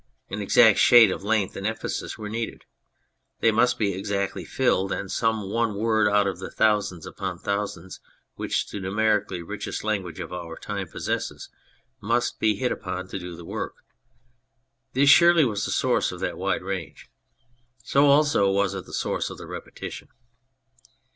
An exact shade of length and emphasis were needed ; they must be exactly filled, and some one word out of the thousands upon thousands which the numer ically richest language of our time possesses must be hit upon to do the work. This surely was the source of that wide range. So also was it the source of the repetition.